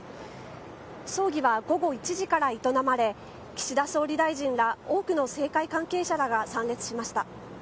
葬儀は午後１時から営まれ岸田総理大臣ら多くの政界関係者らが参列しました。